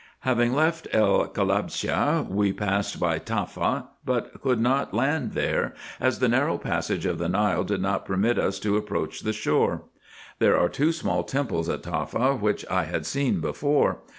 Having left El Kalabshe, we passed by Taffa, but could not land there, as the narrow passage of the Nile did not permit us to approach the shore. There are two small temples at Taffa, which I had seen before.